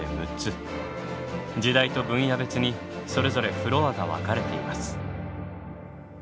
時代と分野別にそれぞれフロアが分かれています。